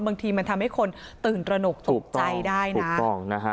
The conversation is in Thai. บางทีมันทำให้คนตื่นตระหนกตกใจได้นะถูกต้องนะฮะ